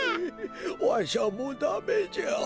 わしはもうダメじゃ。